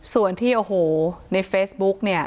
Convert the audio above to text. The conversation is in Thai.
ส่วนที่โอ้โหในเฟซบุ๊กเนี่ย